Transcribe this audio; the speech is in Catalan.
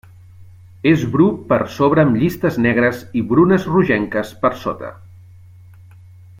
És bru per sobre amb llistes negres i brunes rogenques per sota.